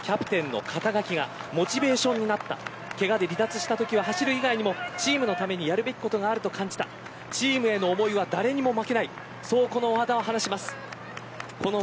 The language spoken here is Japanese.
しかし、キャプテンの肩書きがモチベーションになったけがで離脱したときは走る以外にもチームのためにやるべきことがあると感じた、チームへの思いは誰にも負けないそうこの和田は話します。